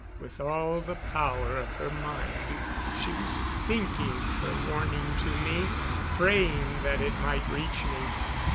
With all the power of her mind she was thinking her warning to me, praying that it might reach me.